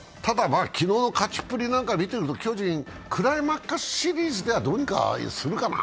昨日の勝ちっぷりなんかを見てると、巨人はクライマックスシリーズではどうにかするかな？